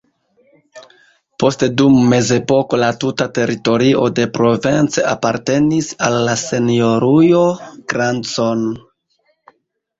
Poste dum mezepoko la tuta teritorio de Provence apartenis al la Senjorujo Grandson.